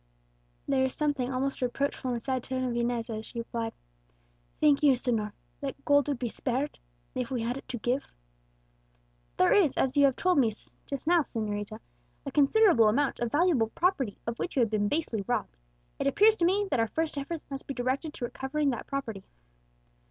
There was something almost reproachful in the sad tone of Inez as she replied, "Think you, señor, that gold would be spared if we had it to give?" "There is, as you have told me just now, señorita, a considerable amount of valuable property of which you have been basely robbed. It appears to me that our first efforts must be directed to recovering that property."